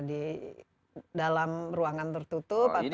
dalam ruangan tertutup atau bagaimana